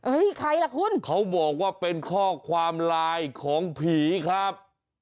ใครล่ะคุณเขาบอกว่าเป็นข้อความไลน์ของผีครับ